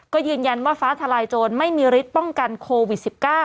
ก็ยืนยันว่าฟ้าทลายโจรไม่มีฤทธิ์ป้องกันโควิด๑๙